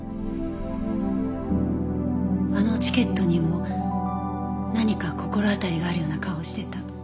あのチケットにも何か心当たりがあるような顔してた。